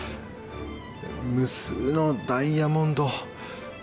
無数のダイヤモンド。